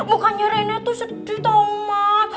mukanya rena tuh sedih tau mas